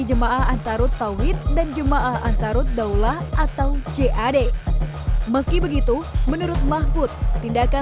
jemaah ansarut tawid dan jemaah ansarut daulah atau jad meski begitu menurut mahfud tindakan